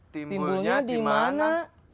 timbulnya di mana